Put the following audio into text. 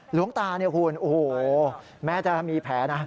หลวงตาโอ้โฮแม้จะมีแผลนะ